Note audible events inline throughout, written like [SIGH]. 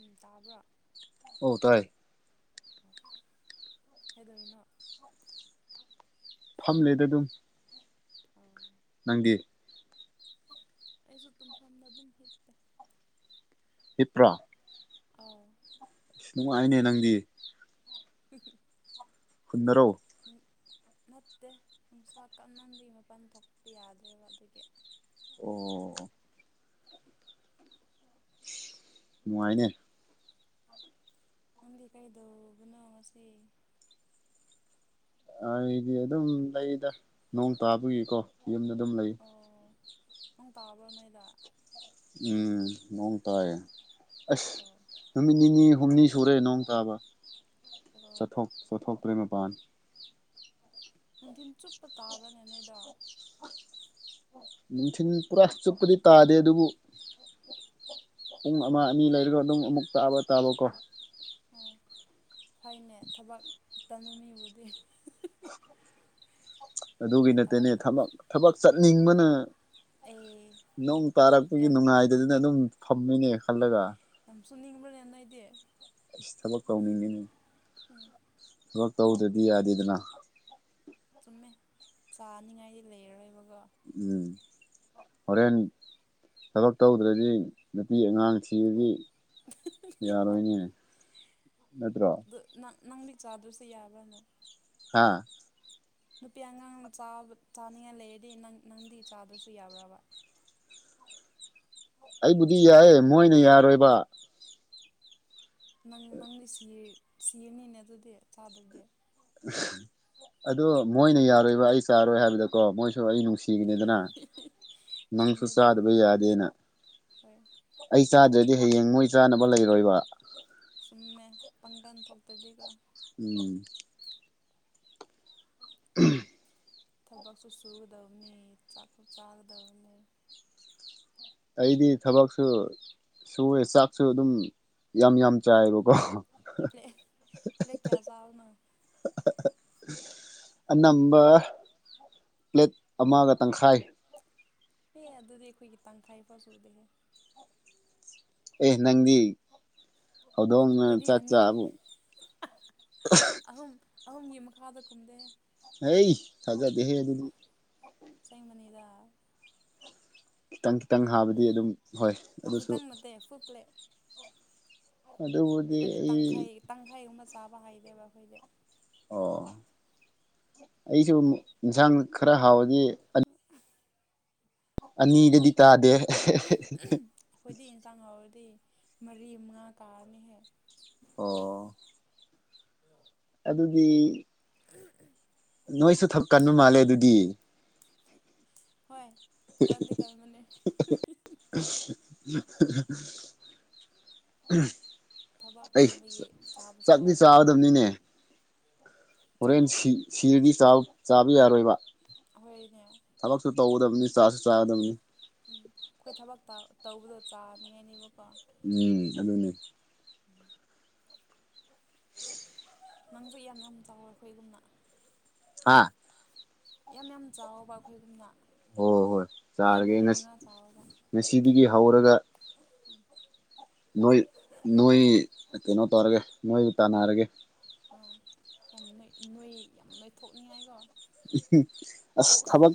ꯎꯝ ꯇꯥꯕ꯭ꯔꯥ ꯑꯧ ꯇꯥꯏ ꯑꯗ ꯏꯅꯣ ꯐꯝꯂꯦꯗ ꯑꯗꯨꯝ ꯅꯪꯒꯤ ꯑꯩꯁꯨ ꯇꯨꯝ ꯐꯝꯗ ꯑꯗꯨꯝ ꯍꯄ ꯏꯄ꯭ꯔꯥ ꯑ ꯑꯁ ꯅꯨꯡꯉꯥꯏꯅꯦ ꯅꯪꯗꯤ [UNINTELLIGIBLE] ꯍꯟꯅꯔꯧ ꯅꯠꯇꯦ ꯅꯨꯡꯁꯥ ꯀꯛꯅꯕꯤꯒꯤ ꯃꯄꯥꯟ ꯊꯣꯛꯄ ꯌꯥꯗ꯭ꯔꯦꯕ ꯑꯗꯨꯒꯤ ꯑꯣ ꯃꯅꯨꯡꯉꯥꯏꯅꯦ ꯑꯪꯗꯤ ꯀꯩꯗ ꯅ ꯉꯁꯤ ꯑꯩꯗꯤ ꯑꯗꯨꯝ ꯂꯩꯗ ꯅꯣꯡ ꯇꯥꯕꯒꯤꯀꯣ ꯌꯨꯝꯗ ꯑꯗꯨꯝ ꯂꯩ ꯅꯪ ꯇꯥꯕ꯭ꯔꯥ ꯅꯣꯏꯗ ꯎꯝ ꯅꯣꯡ ꯇꯥꯏ ꯑꯁ ꯑꯣ ꯅꯨꯃꯤꯠ ꯅꯤꯅꯤ ꯍꯨꯝꯅꯤ ꯁꯨꯔꯦ ꯅꯣꯡ ꯇꯥꯕ ꯑꯣ ꯆꯊꯣꯛ ꯆꯣꯊꯣꯛꯇ꯭ꯔꯦ ꯃꯄꯥꯟ ꯅꯨꯡꯊꯤꯤꯟ ꯆꯨꯞꯄ ꯇꯥꯕ꯭ꯔꯥꯅꯦ ꯅꯣꯏꯗ ꯅꯨꯡꯊꯤꯤꯟ ꯄꯨꯔꯥ ꯆꯨꯞꯄꯗꯤ ꯇꯥꯗꯦ ꯑꯗꯨꯕꯨ ꯄꯨꯡ ꯑꯃ ꯑꯅꯤ ꯂꯩꯔꯒ ꯑꯗꯨꯝ ꯑꯃꯨꯛ ꯇꯥꯕ ꯇꯥꯕꯀꯣ ꯐꯅꯦ ꯊꯕꯛ ꯇꯅꯃꯤꯕꯨꯗꯤ ꯑꯗꯨꯒꯤ ꯅꯠꯇꯅꯦ ꯊꯕꯛ ꯊꯕꯛ ꯆꯠꯅꯤꯡꯕꯅ ꯑꯩ ꯅꯣꯡ ꯇꯥꯔꯛꯄꯒꯤ ꯌꯥꯝ ꯅꯨꯡꯉꯥꯏꯗꯗꯨꯅ ꯑꯗꯨꯝ ꯐꯝꯃꯤꯅꯦ ꯈꯜꯂꯒ ꯑꯝꯁꯨꯅꯤꯡꯕ ꯅꯦꯏ ꯗꯦ ꯑꯁ ꯊꯕꯛ ꯇꯧꯅꯤꯡꯉꯤꯅꯦ ꯎꯝ ꯊꯕꯛ ꯇꯧꯗ꯭ꯔꯗꯤ ꯌꯥꯗꯦꯗꯅ ꯆꯨꯝꯃꯦ ꯆꯥꯅꯤꯡꯉꯥꯏꯗꯤ ꯂꯩꯔꯔꯣꯏꯕ ꯎꯝ ꯍꯣꯔꯦꯟ ꯊꯕꯛ ꯇꯧꯗ꯭ꯔꯗꯤ ꯅꯨꯄꯤ ꯑꯉꯥꯡꯁꯤꯔꯗꯤ ꯌꯥꯔ ꯃꯅꯤꯅꯤ ꯅꯠꯇ꯭ꯔꯣ ꯑꯗꯨ ꯅꯪ ꯅꯪꯗꯤ ꯆꯥꯗꯁꯨꯦ ꯌꯥꯕ꯭ꯔꯅꯦ ꯍꯥꯥ ꯅꯨꯄꯤ ꯑꯉꯥꯡ ꯆꯥꯅꯤꯡꯉꯥꯏ ꯂꯩꯔꯗꯤ ꯅ ꯅꯪꯗꯤ ꯆꯥꯗ꯭ꯔꯁꯨ ꯌꯥꯕ꯭ꯔꯕ [UNINTELLIGIBLE] ꯑꯩꯕꯨꯗꯤ ꯌꯥꯏꯑꯦ ꯃꯣꯏꯅ ꯌꯥꯔꯣꯏꯕ ꯅꯪ ꯅꯪꯗꯤ ꯁꯤꯔꯅꯤꯅꯦ ꯑꯗꯨꯗꯤ ꯆꯥꯗꯗꯤ ꯑꯗꯣ ꯃꯣꯏꯅ ꯌꯥꯔꯣꯏꯕ ꯑꯩ ꯆꯥꯔꯣꯏ ꯍꯥꯏꯕꯗꯀꯣ ꯃꯣꯏ ꯁꯨ ꯑꯩ ꯅꯨꯡꯁꯤꯒꯅꯤꯗꯅ ꯅꯪꯁꯨ ꯆꯥꯗꯕ ꯌꯥꯗꯦꯅ ꯍ ꯑꯩ ꯆꯥꯗ꯭ꯔꯗꯤ ꯍꯌꯦꯡ ꯃꯣꯏ ꯆꯥꯅꯕ ꯂꯩꯔꯣꯏꯕ ꯎꯨꯝꯃꯦ ꯄꯪꯒꯟ ꯊꯣꯛꯇꯗꯤꯀꯣ ꯎꯝ ꯎ ꯊꯕꯛꯁꯨ ꯁꯨꯒꯗꯧꯅꯤ ꯆꯥꯛꯁꯨ ꯆꯥꯒꯗꯧꯕꯅꯤ ꯑꯩꯗꯤ ꯊꯕꯛꯁꯨ ꯁꯨꯑꯦ ꯆꯥꯛꯁꯨ ꯑꯗꯨꯝ ꯌꯥꯝ ꯌꯥꯝ ꯆꯥꯏꯌꯦꯕꯀꯣ ꯄ꯭ꯂ ꯄ꯭ꯂꯦ ꯀꯌꯥꯖꯤꯥꯎꯅ ꯑꯅꯝꯕ ꯄ꯭ꯂꯦꯠ ꯑꯃꯒ ꯇꯪꯈꯥꯏ ꯑꯦ ꯑꯗꯨꯗꯤ ꯑꯩꯈꯣꯏꯒꯤ ꯇꯪꯈꯥꯏꯐꯥꯎ ꯁ ꯎꯗꯦꯍꯦ ꯑꯦ ꯅꯪꯗꯤ ꯍꯧꯗꯣꯡꯅ ꯑꯩꯈꯣꯏꯗꯤ ꯆꯥꯛ ꯑꯅꯤ ꯆꯥꯕꯨ ꯑꯍꯨꯝ ꯑꯍꯨꯝꯒꯤ ꯃꯈꯥꯗ ꯀꯨꯝꯗꯦ ꯑꯩ ꯊꯖꯗꯦ ꯍꯦ ꯑꯗꯨꯗꯤ ꯆ ꯃꯅꯗ ꯈꯤꯇꯪ ꯈꯤꯇꯪ ꯍꯥꯕꯗꯤ ꯑꯗꯨꯝ ꯍꯣꯏ ꯑꯗꯨꯁꯨ ꯈꯤꯇꯪ ꯅꯠꯇꯦ ꯐꯨꯨꯜ ꯄ꯭ꯂꯦꯠ ꯑꯗꯨꯗꯕꯨꯗꯤ ꯑꯩ ꯇꯥꯕꯥ ꯍꯥꯏꯗꯦ ꯕꯥ ꯑꯩꯈꯣꯏꯗꯤ ꯑꯣ ꯑꯩꯁꯨ ꯌꯦꯟꯁꯥꯡ ꯈꯔ ꯍꯥꯎꯔꯗꯤ [INAUDIBLE] ꯑꯅꯤꯗꯒꯤ ꯇꯥꯗꯦ ꯑꯩꯈꯣꯏꯗꯤ ꯌꯦꯟꯁꯥꯡ ꯍꯥꯎꯔꯗꯤ ꯃꯔꯤ ꯃꯉꯥ ꯀꯥꯔꯅꯤꯍꯦ ꯑꯣ ꯑꯗꯨꯗꯤ ꯅꯣꯏꯁꯨ ꯊꯛ ꯀꯟꯕ ꯃꯥꯜꯂꯦ ꯑꯗꯨꯗꯤ ꯍꯣꯏ ꯀꯟꯗꯤ ꯀꯟꯕꯅꯤ [INAUDIBLE] ꯊꯕꯛ ꯑꯩ ꯀꯟꯕ ꯒꯤ ꯆꯥꯕꯁꯨ ꯆꯥꯛꯇꯤ ꯍꯩꯕ ꯑꯗꯨ ꯆꯥꯒꯗꯕꯅꯤꯅꯦ ꯍꯣꯔꯦꯟ ꯁꯤ ꯁꯤꯔꯗꯤ ꯆꯥꯕ ꯌꯥꯔꯣꯏꯕ ꯍꯣꯢꯅꯤ ꯊꯕꯛꯁꯨ ꯇꯧꯒꯗꯕꯅꯤ ꯆꯥꯁꯨ ꯆꯥꯒꯗꯕꯅꯤ ꯎꯝ ꯑꯩꯈꯣꯏ ꯊꯕꯛ ꯇꯧꯕꯗꯣ ꯆꯥꯅꯤꯡꯉꯥꯏꯅꯦꯕꯀꯣ ꯎꯝ ꯑꯗꯨꯅꯤ ꯅꯪꯁꯨ ꯌꯥꯝ ꯌꯥꯝ ꯆꯥꯑꯣ ꯑꯩꯈꯣꯏꯒꯨꯝꯅ ꯍꯥ ꯌꯥꯝ ꯌꯥꯝ ꯆꯥꯎꯕ ꯑꯩꯈꯣꯏꯒꯨꯝꯅ ꯍꯣꯏ ꯍꯣꯏ ꯄ꯭ꯂꯦꯠ ꯃꯔꯤ ꯃꯉꯥ ꯆꯥꯎꯑꯣꯕ ꯗꯒꯤ ꯍꯧꯔꯒ ꯅꯣꯏ ꯅꯣꯏ ꯀꯩꯅꯣ ꯇꯧꯔꯒꯦ ꯅꯣꯏ ꯇꯥꯟꯅꯔꯒꯦ ꯑꯥ ꯌꯥꯝ ꯅꯣꯏ ꯌꯥꯝ ꯅꯣꯏꯊꯣꯛꯅꯤꯡꯉꯥꯏꯀꯣ ꯎꯝ ꯑꯁ ꯑꯣꯛ ꯊꯕꯛ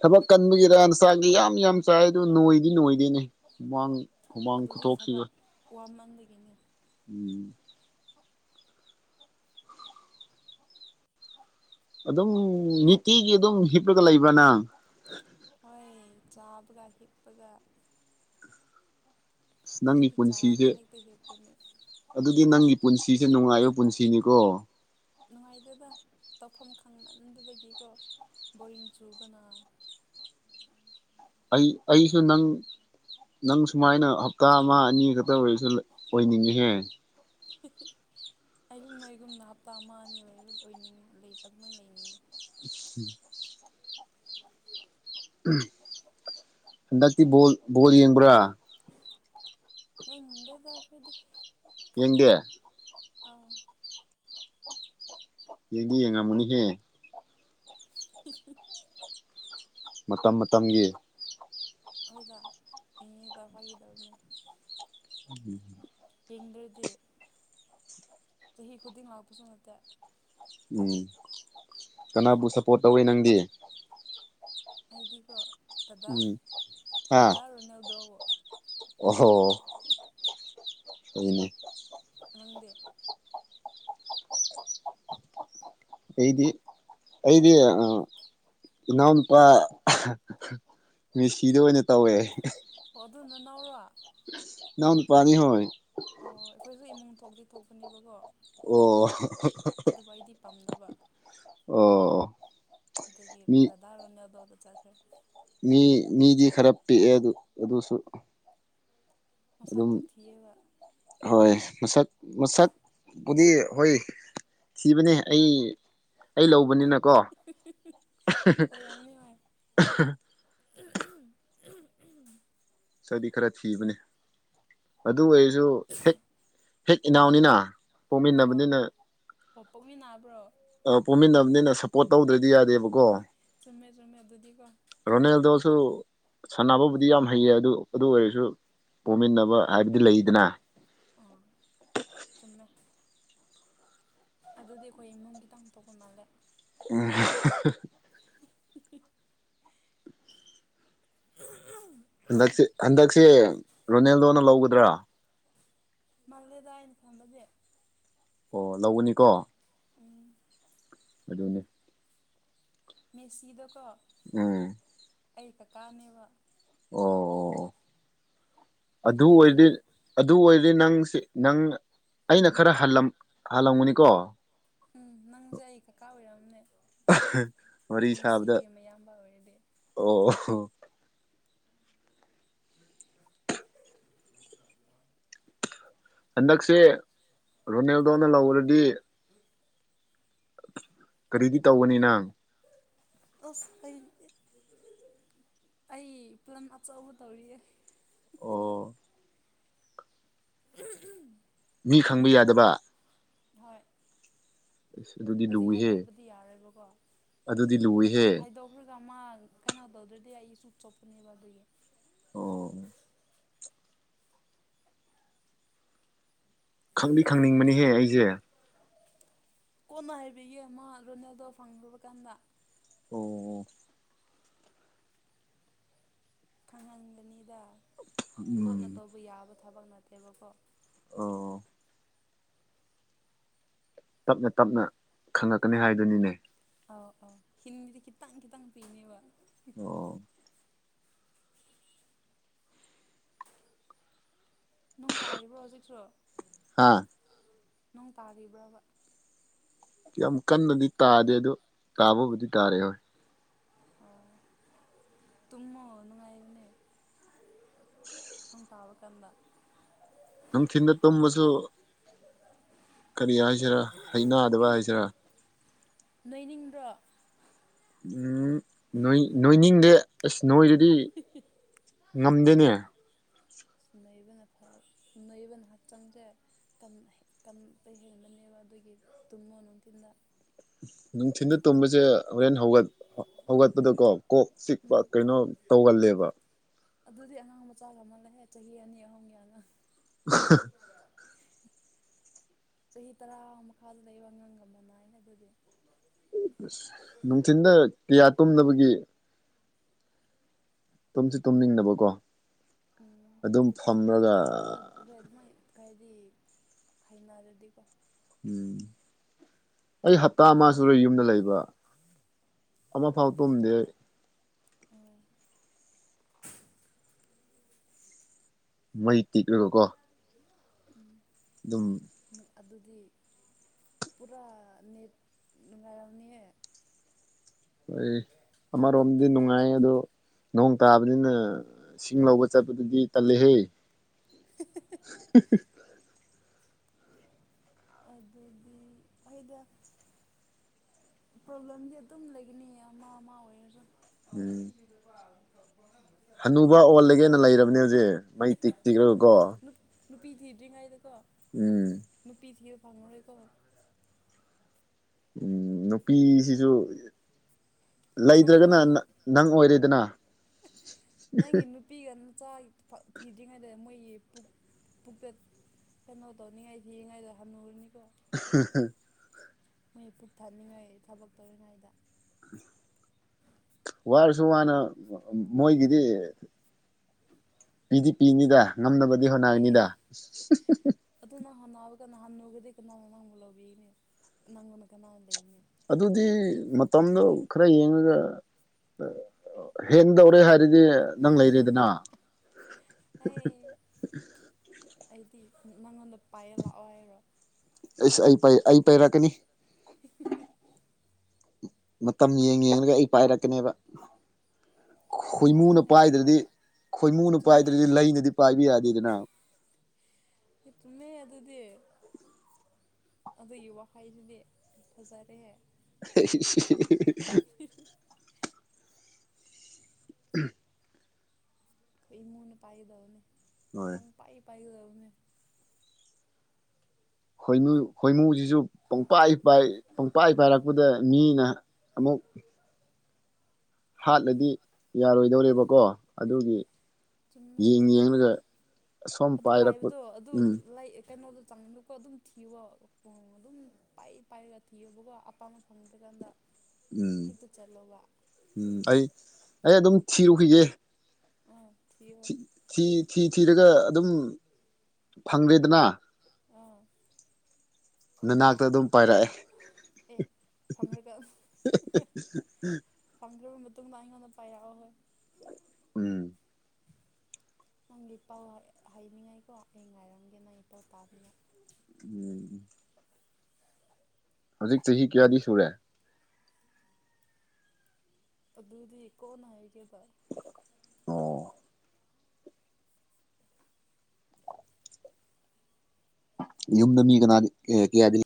ꯊꯕꯛ ꯀꯟꯕꯒꯤꯔ ꯅꯁꯥꯒꯤ ꯌꯥꯝ ꯌꯥꯝ ꯌꯥꯝ ꯆꯥꯏ ꯑꯗꯨ ꯅꯣꯏꯗꯤ ꯅꯣꯏꯗꯦꯅꯦ ꯍꯨꯃꯥꯡ ꯍꯨꯃꯥꯡ ꯈꯨꯊꯣꯛꯁꯤꯒ ꯑꯩꯗꯒꯤꯅꯤ [INAUDIBLE] ꯎꯝ ꯑꯗꯨꯝ ꯅꯤꯇꯤꯒꯤ ꯑꯗꯨꯝ ꯍꯤꯞꯂꯒ ꯂꯩꯕ ꯅꯪ ꯍꯣꯏ ꯆꯥꯕꯒ ꯍꯤꯞꯄꯒ ꯑ ꯅꯪꯒꯤ ꯍꯦꯛꯇ ꯆꯥꯔꯅꯤ ꯄꯨꯟꯁꯤꯁꯦ ꯍꯦꯛꯇ ꯍꯤꯞꯀꯅꯤ ꯑꯗꯨꯗꯤ ꯅꯪꯒꯤ ꯄꯨꯟꯁꯤꯁꯦ ꯅꯨꯡꯉꯥꯏꯕ ꯄꯨꯟꯁꯤꯅꯤꯀꯣ ꯅꯨꯡꯉꯥꯏꯇꯦꯗ ꯇꯧꯐꯝ ꯈꯪꯃꯟꯗꯕꯒꯤꯀꯣ ꯕꯣꯔꯤꯡ ꯆꯨꯕꯅꯥ ꯑꯩ ꯑꯩꯁꯨ ꯅꯪ ꯅꯪ ꯁꯨꯃꯥꯏꯅ ꯍꯞꯇꯥ ꯑꯃ ꯑꯅꯤ ꯈꯛꯇ ꯑꯣꯏꯔꯁꯨ ꯑꯣꯏꯅꯤꯡꯉꯤꯍꯦ [INAUDIBLE] ꯑꯩꯌꯨꯝꯗ ꯑꯩꯒꯨꯝꯗ ꯍꯞꯇꯥ ꯑꯃ ꯑꯅꯤ ꯑꯣꯏꯅꯤꯡꯉꯤ ꯂꯩꯃꯣꯏꯅ ꯂꯩꯅꯤꯡꯉꯤ ꯎꯝ ꯍꯟꯗꯛꯇꯤ ꯕꯣꯜ ꯕꯣꯜ ꯌꯦꯡꯕ꯭ꯔꯥ ꯏꯗꯕꯥꯔꯄꯗꯤ [UNINTELLIGIBLE] ꯌꯦꯡꯒꯦ ꯑ ꯌꯦꯡꯗꯤ ꯌꯦꯉꯝꯃꯅꯤ ꯍꯦ [INAUDIBLE] ꯃꯇꯝ ꯃꯇꯝꯒꯤ ꯍꯣꯏꯗ ꯢꯉꯤꯗ ꯐꯥꯏꯒꯤꯇꯧꯕꯅꯦ ꯎꯝ ꯌꯦꯡꯗ꯭ꯔꯗꯤ ꯆꯍꯤ ꯈꯨꯗꯤꯡ ꯂꯥꯛꯄꯁꯨ ꯅꯠꯇꯦ ꯎꯝ ꯀꯅꯥꯕꯨ ꯁꯞꯄꯣꯔꯠ ꯇꯧꯋꯦ ꯅꯪꯗꯤ ꯑꯩꯗꯤꯀꯣ ꯗꯗꯥ ꯎꯝ ꯗꯗꯥ ꯔꯣꯅꯦꯜꯗꯣ ꯍꯣꯅꯦ ꯍꯗꯦ ꯑꯩꯗꯤ ꯑꯩꯗꯤ ꯑ ꯏꯅꯥꯎꯅꯄꯥ ꯃꯤꯁꯤꯗ ꯑꯣꯏꯅ ꯇꯧꯋꯦ ꯑꯣ ꯑꯗꯨꯅ ꯅꯧꯔ ꯅꯎ ꯄꯅꯤ ꯍ ꯑꯣ ꯑꯩꯈꯣꯏꯁꯨ ꯏꯃꯨꯡ ꯊꯣꯛꯇꯤ ꯊꯣꯛꯄꯅꯦꯕꯀꯣ ꯑꯣ ꯑꯗꯨꯕꯨ ꯑꯩꯗꯤ ꯄꯥꯝꯗꯕ ꯑꯣ ꯑꯠꯇꯗꯒꯤ ꯃꯤ ꯂꯥꯗꯥꯔꯗꯣꯗ ꯆꯥꯛꯈꯦ ꯃꯤ ꯃꯤꯗꯤ ꯈꯔ ꯄꯤꯛꯑꯦ ꯑꯗꯨ ꯑꯗꯨꯁꯨ ꯑꯗꯨꯝ ꯃꯁꯛꯇꯣ ꯊꯤꯌꯦꯕ ꯍꯣꯏ ꯃꯁꯛ ꯃꯁꯛꯄꯨꯗꯤ ꯍꯣꯏ ꯊꯤꯕꯅꯦ ꯑꯩ ꯑꯩ ꯂꯧꯕꯅꯤꯅ ꯀꯣ ꯑꯣꯏꯔꯝꯅꯤ ꯍꯣꯏ ꯁꯗꯤ ꯈꯔ ꯊꯤꯕꯅꯦ ꯑꯗꯨ ꯑꯣꯏꯔꯁꯨ ꯍꯦꯛ ꯍꯦꯛ ꯏꯅꯥꯎꯅꯤꯅ ꯑꯥ ꯄꯣꯛꯃꯤꯟꯅꯕꯅꯤꯅ ꯑꯣ ꯄꯣꯛꯃꯤꯟꯅꯕ꯭ꯔꯣ ꯄꯣꯛꯃꯤꯟꯅꯕꯅꯤꯅ ꯁꯞꯄꯣꯔꯠ ꯇꯧꯗ꯭ꯔꯗꯤ ꯌꯥꯔꯦ ꯗꯕꯀꯣ ꯆꯨꯝꯃꯦ ꯆꯨꯝꯃꯦ ꯑꯗꯨꯗꯤꯀꯣ ꯔꯣꯅꯤꯦꯜꯗꯣꯁꯨ ꯁꯥꯟꯅꯕꯕꯨꯗꯤ ꯌꯥꯝ ꯍꯩꯌꯦ ꯑꯗꯨ ꯑꯗꯨ ꯑꯣꯏꯔꯁꯨ ꯄꯣꯃꯤꯟꯅꯕ ꯍꯥꯏꯕꯗꯤ ꯂꯩꯗꯅ ꯑꯥ ꯆꯨꯝꯃꯦ ꯑꯗꯨꯗꯤ ꯑꯩꯈꯣꯏ ꯏꯃꯨꯡꯒꯤꯈꯤꯇꯪ ꯊꯣꯛꯣꯛꯄ ꯃꯥꯜꯂꯦ ꯎꯝ ꯍꯟꯗꯛꯁꯦ ꯍꯟꯗꯛꯁꯦ ꯔꯣꯅꯦꯜꯗꯣꯅ ꯂꯧꯒꯗ꯭ꯔꯥ ꯃꯥꯜꯂꯦꯗ ꯑꯩꯅ ꯈꯝꯕꯁꯦ ꯑꯣ ꯂꯧꯕꯅꯤꯀꯣ ꯑꯗꯨꯅꯦ ꯃꯦꯁꯤꯗ ꯀꯣ ꯎꯝ ꯑꯩ ꯀꯀꯥꯅꯦꯕ ꯑꯣ ꯑꯗꯨꯗꯤ ꯑꯣ ꯅꯪꯁꯨ ꯑꯗꯨ ꯑꯣꯏꯗꯤ ꯅꯪ ꯑꯩꯅ ꯈꯔ ꯍꯜꯂꯝꯒꯅꯤꯀꯣ ꯎꯝ ꯅꯪꯁꯦ ꯑꯩ ꯀꯀꯥ ꯑꯣꯏꯔꯝꯅꯤ ꯋꯥꯔꯤ ꯃꯤꯁꯤꯒꯤ ꯁꯥꯕꯗ ꯑꯌꯥꯝꯕ ꯑꯣꯏꯔꯗꯤ ꯑꯣ [UNINTELLIGIBLE] ꯍꯟꯗꯛꯁꯦ ꯔꯣꯅꯦꯜꯗꯣꯅ ꯂꯧꯔꯗꯤ ꯀꯔꯤꯗꯤ ꯇꯧꯕꯅꯤ ꯅꯪ ꯑꯁ ꯑꯩ ꯄꯂꯝ ꯑꯆꯧꯕ ꯇꯧꯔꯤꯌꯦ ꯑꯣ ꯃꯤ ꯈꯪꯕ ꯌꯥꯗꯕ ꯍꯣꯏ ꯑꯁ ꯑꯗꯨꯗꯤ ꯍꯧꯖꯤꯛ ꯂꯨꯏꯍꯦ ꯍꯥꯏꯗꯣꯛꯄꯗꯤ ꯌꯥꯔꯣꯏꯕꯀꯣ ꯑꯗꯨꯗꯤ ꯂꯨꯏꯍꯦ ꯍꯥꯏꯗꯣꯛꯈ꯭ꯔꯒ ꯃꯥ ꯀꯩꯅꯣ ꯇꯧꯗ꯭ꯔꯗꯤ ꯑꯩꯁꯨ ꯆꯣꯞꯄꯅꯤꯕ ꯑꯗꯨꯒꯤ ꯑꯣ ꯈꯪꯗꯤ ꯈꯪꯅꯤꯡꯕꯅꯤꯍꯦ ꯑꯩꯖꯦ ꯀꯣꯟꯅ ꯍꯥꯏꯕꯤꯒꯦ ꯃꯥ ꯔꯣꯅꯦꯜꯗꯣ ꯐꯪꯂꯨꯕ ꯀꯥꯟꯗ ꯑꯣ ꯈꯪꯍꯟꯕꯅꯤꯗꯥ ꯂꯣꯠꯅ ꯎꯝ ꯇꯧꯕ ꯌꯥꯕ ꯊꯕꯛ ꯅꯠꯇꯦꯕꯀꯣ ꯑꯣ ꯇꯞꯅ ꯇꯞꯅ ꯈꯪꯪꯂꯛꯀꯅꯤ ꯍꯥꯏꯗꯨꯅꯤꯅꯦ ꯑꯧ ꯑꯧ [UNINTELLIGIBLE] ꯈꯤꯇꯪ ꯈꯤꯇꯪ ꯄꯤꯅꯤꯕ ꯑꯣ ꯅꯣꯡ ꯇꯥꯔꯤꯕ꯭ꯔꯣ ꯍꯧꯖꯤꯛꯁꯨ ꯑꯪ ꯍꯥ ꯅꯣꯡ ꯇꯥꯔꯤꯕ꯭ꯔꯥꯕ ꯌꯥꯝ ꯀꯟꯅꯗꯤ ꯇꯥꯗꯦ ꯑꯗꯣ ꯇꯥꯕꯕꯨꯗꯤ ꯇꯥꯔꯤ ꯍꯣꯏ ꯇꯨꯝꯃꯣ ꯅꯨꯡꯉꯥꯏꯕꯅꯦ ꯅꯣꯡ ꯇꯥꯕ ꯃꯇꯝꯗ [INAUDIBLE] ꯀꯔꯤ ꯍꯥꯏꯁꯤꯔꯥ ꯍꯩꯅꯥꯗꯕ ꯍꯥꯏꯁꯤꯔꯥ ꯅꯣꯏꯅꯤꯡꯗ꯭ꯔꯣ ꯎꯝ ꯅꯣꯏ ꯅꯣꯏꯅꯤꯡꯗꯦ ꯑꯁ ꯅꯣꯏꯔꯗꯤ ꯉꯝꯗꯦꯅꯦ ꯅꯣꯢꯕꯅ ꯐ ꯅꯣꯢꯕꯅ ꯍꯛꯆꯥꯡꯁꯦ ꯀꯟ ꯀꯟꯕ ꯍꯦꯟꯕꯅꯦꯕ ꯑꯗꯨꯒꯤ ꯇꯨꯝꯃꯣ ꯅꯨꯡꯊꯤꯟꯗ ꯅꯨꯡꯊꯤꯟꯗ ꯇꯨꯝꯕꯁꯦ ꯍꯣꯔꯦꯟ ꯍꯧꯒꯠ ꯍꯩ ꯍꯧꯒꯠꯄꯗꯀꯣ ꯀꯣꯛ ꯆꯤꯛꯄ ꯎꯝ ꯀꯩꯅꯣ ꯇꯧꯒꯜꯂꯦꯕ ꯑꯗꯨꯗꯤ ꯑꯉꯥꯡ ꯃꯆꯥ ꯃꯜꯂꯦꯍꯦ ꯆꯍꯤ ꯑꯅꯤ ꯑꯍꯨꯝꯒꯤ ꯑꯉꯥꯡ ꯆꯍꯤ ꯇꯔꯥ ꯃꯈꯥꯗ ꯂꯩꯕ ꯑꯉꯥꯡꯒ ꯃꯥꯟꯅꯥꯏ ꯑꯗꯨꯗꯤ ꯑꯁ ꯅꯨꯡꯊꯤꯟꯗ ꯀꯌꯥ ꯇꯨꯝꯗꯕꯒꯤ ꯇꯨꯝꯁꯨ ꯇꯨꯝꯅꯤꯡꯗꯕꯀꯣ ꯎꯝ ꯑꯗꯨꯝ ꯍꯣꯏ ꯐꯝꯂꯒ ꯍꯣꯏ ꯑꯗꯨꯃꯥꯏꯅ ꯍꯥꯏꯗꯤ ꯍꯥꯏꯅꯥꯔꯗꯤꯀꯣ ꯎꯝ ꯑꯩ ꯍꯞꯇꯥ ꯑꯃ ꯁꯨꯔꯦ ꯌꯨꯝꯗ ꯂꯩꯕ ꯑꯃ ꯐꯥꯎ ꯇꯨꯝꯗꯦ ꯑꯩ ꯑꯣ ꯃꯩ ꯇꯦꯛꯂꯒ ꯀꯣ ꯑꯗꯨꯝ ꯑꯗꯨꯗꯤ ꯄꯨꯔꯥ ꯅꯦꯠ ꯅꯨꯡꯉꯥꯢꯔꯝꯅꯤꯍꯦ ꯍꯣꯏ ꯑꯃꯔꯣꯝꯗꯤ ꯅꯨꯡꯉꯥꯏꯌꯦ ꯑꯗꯣ ꯅꯣꯡ ꯇꯥꯕꯅꯤꯅ ꯁꯤꯡ ꯂꯧꯕ ꯆꯠꯄꯗꯨꯗꯤ ꯇꯜꯂꯦꯍꯦ [UNINTELLIGIBLE] ꯑꯗꯨꯗꯤ ꯍꯣꯏꯗ ꯄ꯭ꯔꯣꯕ꯭ꯂꯦꯝꯗꯤ ꯑꯗꯨꯝ ꯂꯩꯒꯅꯤ ꯑꯃ ꯑꯃ ꯑꯣꯏꯔꯁꯨ ꯎꯝ ꯑꯦ ꯃꯩ ꯇꯤꯛ ꯇꯤꯛꯂꯒꯀꯣ ꯅꯨꯄꯤ ꯊꯤꯗ꯭ꯔꯤꯉꯩꯗꯀꯣ ꯎꯝ ꯅꯨꯄꯤ ꯊꯤꯕ ꯐꯪꯉꯧꯔꯣꯏꯀꯣ ꯎꯝ ꯅꯨꯄꯤꯁꯤꯁꯨ ꯅꯪ ꯂꯩꯗ꯭ꯔꯒꯅ ꯅꯪ ꯅꯪ ꯑꯣꯏꯔꯦꯗꯅ ꯅꯪꯒꯤ ꯅꯨꯄꯤ ꯒ ꯆꯥꯛ ꯐ ꯊꯤꯗ꯭ꯔꯤꯉꯩꯗ ꯃꯣꯏꯒꯤ ꯄꯨꯛ ꯄꯨꯛꯇ ꯀꯩꯅꯣ ꯇꯧꯅꯤꯉꯥꯏ ꯊꯤꯔꯤꯉꯥꯏꯗ ꯍꯥꯟꯅꯨꯔꯅꯤꯀꯣ ꯑꯍꯪ ꯍ ꯃꯣꯏ ꯄꯨꯛ ꯊꯟꯅꯤꯡꯉꯥꯏ ꯊꯕꯛ ꯇꯧꯔꯤꯉꯩꯗ ꯋꯥꯔꯁꯨ ꯋꯥꯅ ꯃꯣꯏꯒꯤꯗꯤ ꯄꯤꯗꯤ ꯄꯤꯅꯤꯗ ꯉꯝꯅꯕꯗꯤ ꯍꯣꯠꯅꯒꯅꯤꯗ ꯍꯣꯠꯅꯕꯗ ꯍꯟꯅꯨꯕꯗꯤ ꯀꯅꯥꯅꯣ ꯅꯪꯕꯨ ꯂꯧꯕꯤꯅꯦ ꯅꯪꯉꯣꯟ ꯀꯅꯥꯅ ꯂꯩꯅꯦ ꯑꯗꯨꯗꯤ ꯃꯇꯝꯗꯣ ꯈꯔ ꯌꯦꯡꯉꯒ ꯍꯦꯟꯗꯧꯔꯦ ꯍꯥꯏ ꯑꯗꯨꯗꯤ ꯅꯪ ꯂꯩꯔꯦꯗꯅ ꯑꯩ ꯅꯉꯣꯟꯗ ꯑꯩꯁ ꯑꯩ ꯄꯩꯔꯛꯀꯅꯤ ꯃꯇꯝ ꯌꯦꯡ ꯌꯦꯡꯉꯒ ꯑꯩ ꯄꯥꯏꯔꯛꯀꯅꯦꯕ ꯈꯣꯏꯃꯨꯅ ꯌꯥꯏꯅꯦ ꯄꯥꯏꯗ꯭ꯔꯗꯤ ꯄꯥꯏꯔ ꯈꯣꯏꯃꯨꯅ ꯆꯨꯝꯃꯦ ꯄꯥꯏꯗ꯭ꯔꯗꯤ ꯂꯩꯅꯗꯤ ꯄꯥꯏꯕ ꯌꯥꯗꯦꯗꯅ [UNINTELLIGIBLE] ꯑꯗꯨꯗꯤ ꯑꯗꯨꯒꯤ ꯋꯥ ꯍꯥꯏꯕꯗꯤ ꯐꯖꯔꯦꯍꯦ [UNINTELLIGIBLE] [UNINTELLIGIBLE] ꯏꯃꯨꯅ ꯄꯥꯏꯒꯗꯕꯅꯦ ꯍꯣꯏ ꯄꯪꯄꯥꯏ ꯄꯥꯏꯒꯗꯕꯅꯦ ꯈꯣꯏꯃꯨ ꯈꯣꯏꯃꯨꯖꯤꯖꯨ ꯄꯪꯄꯥꯏ ꯄꯥꯏ ꯄꯪꯄꯥꯏ ꯄꯥꯏꯔꯛꯄꯗ ꯃꯤꯅ ꯑꯃꯨꯛ ꯍꯥꯠꯂꯗꯤ ꯌꯥꯔꯣꯏꯗꯧꯔꯦꯕꯀꯣ ꯑꯗꯨꯒꯤ ꯆꯨꯝꯃꯦ ꯌꯦꯡ ꯑꯗꯨꯁꯨ ꯌꯦꯡꯂꯒ ꯑꯁꯣꯝ ꯑꯗꯨ ꯄꯥꯏꯔꯛꯄ ꯄꯥꯏꯕꯗꯣ ꯑꯗꯨ ꯎꯝ ꯀꯩꯅꯣꯗ ꯑꯗꯨꯀꯣꯑꯗꯨꯝ ꯊꯤꯌꯕ ꯈꯣꯡ ꯑꯗꯨꯝ ꯄꯥꯏ ꯄꯥꯏꯔꯒ ꯊꯤꯌꯣꯕꯀꯣ ꯑꯄꯥꯝꯕ ꯐꯪꯗ꯭ꯔꯀꯥꯟꯗ ꯎꯝ ꯍꯦꯛꯇ ꯆꯠꯂꯣꯕ ꯎꯝ ꯑꯩ ꯑꯩ ꯑꯗꯨꯝ ꯊꯤꯔꯨꯈꯤꯒꯦ ꯑꯥ ꯊꯤꯌꯣ ꯊꯤ ꯊꯤ ꯊꯤ ꯊꯤꯔꯒ ꯑꯗꯨꯝ ꯐꯪꯗꯦꯗꯅ ꯑꯥ ꯅꯅꯥꯛꯇ ꯑꯗꯨꯝ ꯄꯥꯏꯔꯛꯑꯦ ꯑꯦ ꯐꯝꯂꯒ [UNINTELLIGIBLE] [UNINTELLIGIBLE] ꯑꯩꯉꯣꯟꯗ ꯄꯥꯏꯔꯛꯑꯣ ꯍꯦ ꯎꯝ ꯅꯪꯒꯤ ꯄꯥꯎ ꯍꯥꯏꯅꯤꯡꯉꯥꯏꯀꯣ ꯑꯩ ꯉꯥꯏꯔꯝꯒꯦ ꯅꯪ [UNINTELLIGIBLE] ꯎꯝ ꯍꯧꯖꯤꯛ ꯆꯍꯤ ꯀꯌꯥꯗꯤ ꯁꯨꯔꯦ ꯑꯗꯨꯗꯤ ꯀꯣꯟꯅ ꯍꯥꯏꯔꯒꯦ ꯑꯣ ꯌꯨꯝꯗ ꯃꯤ ꯀꯅꯥ ꯀꯌꯥꯗꯤ